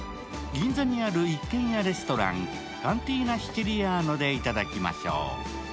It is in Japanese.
銀座にある一軒家レストランカンティーナシチリアーナで頂きましょう。